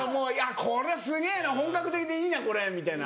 「これはすげぇな本格的でいいなこれ」みたいな。